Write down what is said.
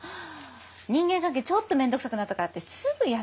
人間関係ちょっとめんどくさくなったからってすぐ辞めて。